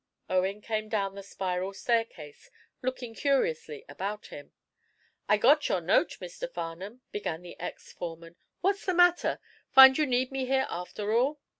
Owen came down the spiral staircase, looking curiously about him. "I got your note, Mr. Farnum," began the ex foreman. "What's the matter? Find you need me here, after all?"